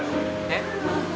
えっ。